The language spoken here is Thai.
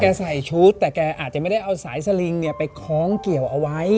ใส่ชุดแต่แกอาจจะไม่ได้เอาสายสลิงเนี่ยไปคล้องเกี่ยวเอาไว้